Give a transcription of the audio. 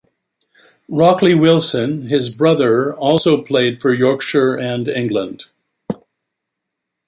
Rockley Wilson, his brother, also played for Yorkshire and England.